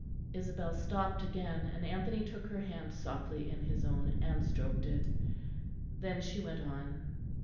Isabel stopped again; and Anthony took her hand softly in his own and stroked it. Then she went on.